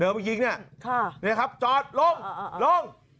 มายิงเนี่ยนี่ครับจอดลงลง